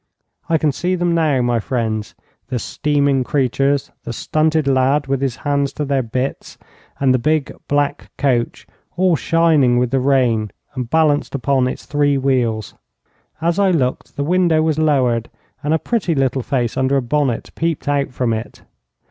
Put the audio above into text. I can see them now, my friends: the steaming creatures, the stunted lad with his hands to their bits, and the big, black coach, all shining with the rain, and balanced upon its three wheels. As I looked, the window was lowered, and a pretty little face under a bonnet peeped out from it.